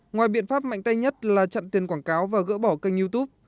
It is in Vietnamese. ngoài biện pháp mạnh tay nhất là chặn tiền quảng cáo và gỡ bỏ kênh youtube